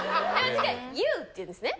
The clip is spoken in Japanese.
私が「ＹＯＵ」って言うんですね。